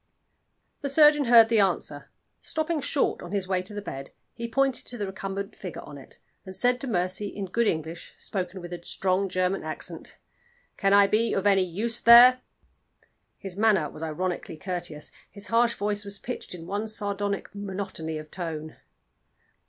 The surgeon heard the answer. Stopping short on his way to the bed, he pointed to the recumbent figure on it, and said to Mercy, in good English, spoken with a strong German accent. "Can I be of any use there?" His manner was ironically courteous, his harsh voice was pitched in one sardonic monotony of tone.